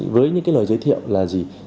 với những lời giới thiệu là gì